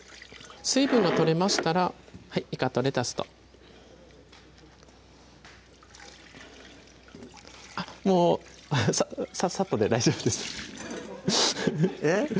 水分が取れましたらいかとレタスとあっもうサッとで大丈夫ですえっ？